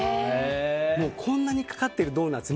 こんなにかかっているドーナツ